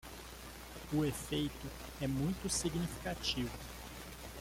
O efeito é muito significativo